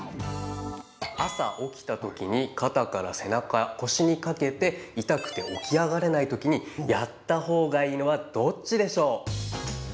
肩から背中腰にかけて痛くて起き上がれない時に、やった方がいいのはどっちでしょう。